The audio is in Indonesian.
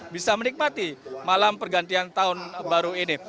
bisa menikmati malam pergantian tahun baru ini